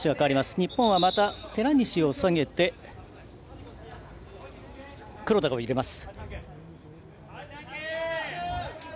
日本、寺西を下げて黒田を入れます。